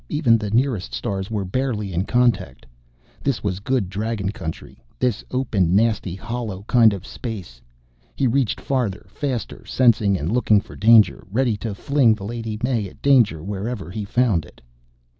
Even the nearest stars were barely in contact. This was good Dragon country, this open, nasty, hollow kind of space. He reached farther, faster, sensing and looking for danger, ready to fling the Lady May at danger wherever he found it.